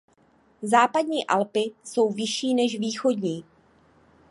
Západní Alpy jsou vyšší než východní.